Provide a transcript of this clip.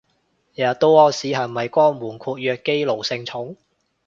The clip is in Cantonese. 日日屙屎係咪都係肛門括約肌奴性重